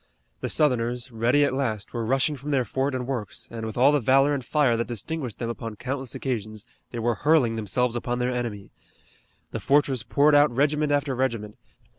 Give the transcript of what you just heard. The Southerners, ready at last, were rushing from their fort and works, and, with all the valor and fire that distinguished them upon countless occasions, they were hurling themselves upon their enemy. The fortress poured out regiment after regiment.